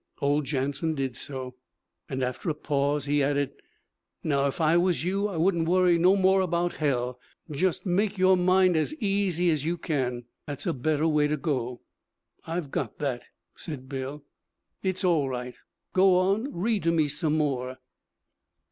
Old Jansen did so, and after a pause he added, 'Now, if I was you I wouldn't worry no more about hell. Just make your mind as easy as you can. That's a better way to go.' 'I've got that,' said Bill. 'It's all right. Go on; read to me some more.'